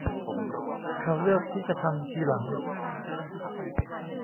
เขาเลือกที่จะทำทีหลัง